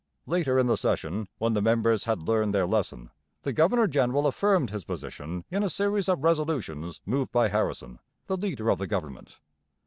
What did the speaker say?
Later in the session, when the members had learned their lesson, the governor general affirmed his position in a series of resolutions moved by Harrison, the leader of the government.